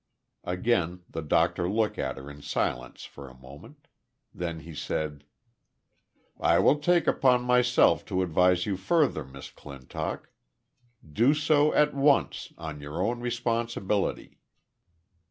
Again the doctor looked at her in silence for a moment. Then he said: "I will take upon myself to advise you further, Miss Clinock. Do so at once, on your own responsibility.